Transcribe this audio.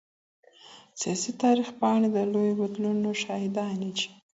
د سياسي تاريخ پاڼي د لويو بدلونونو شاهداني دي.